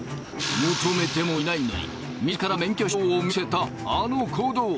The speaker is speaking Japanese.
求めてもいないのに自ら免許証を見せたあの行動。